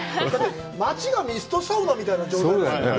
町がミストサウナみたいな状態ですね。